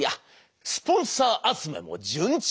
スポンサー集めも順調。